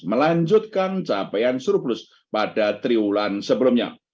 melanjutkan capaian surplus pada triwulan sebelumnya